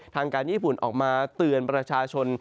ทางการญี่ปุ่นออกมาเตือนประชาชน